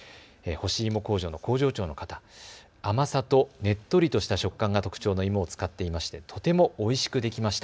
干し芋工場の工場長の方、甘さとねっとりとした食感が特徴の芋を使っていて、とてもおいしくできました。